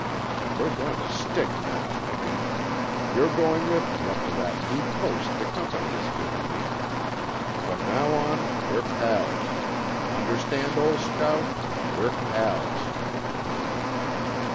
And we're going to stick now, Miki. You're going with me up to that new Post the Company has given me. From now on we're pals. Understand, old scout, we're PALS!"